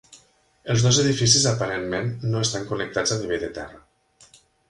Els dos edificis aparentment no estan connectats a nivell de terra.